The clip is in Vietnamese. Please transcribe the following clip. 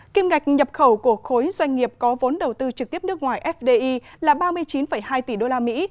kim ngạch nhập khẩu của khối doanh nghiệp có vốn đầu tư trực tiếp nước ngoài fdi là ba mươi chín hai tỷ đô la mỹ